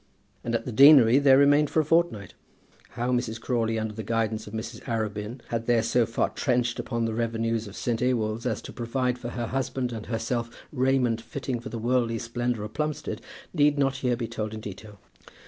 And at the deanery they remained for a fortnight. How Mrs. Crawley, under the guidance of Mrs. Arabin, had there so far trenched upon the revenues of St. Ewolds as to provide for her husband and herself raiment fitting for the worldly splendour of Plumstead, need not here be told in detail.